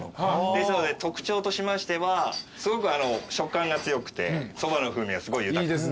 ですので特徴としましてはすごく食感が強くてそばの風味がすごい豊か。